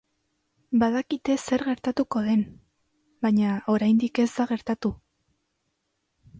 Badakite zer gertatuko den, baina oraindik ez da gertatu.